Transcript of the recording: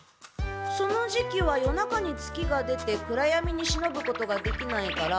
その時期は夜中に月が出て暗闇に忍ぶことができないから。